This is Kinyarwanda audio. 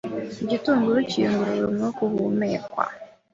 Igitunguru kiyungurura umwuka uhumekwa